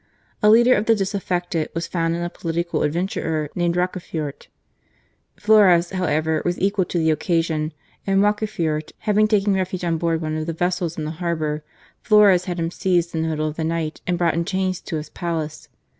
A leader of the disaffected was found in a political adventurer, named Rocafuerte. Flores, however, was equal to the occasion, and Rocafuerte having taken refuge on board one of the vessels in the harbour, Flores had him seized in the middle of the night and brought in chains to his palace.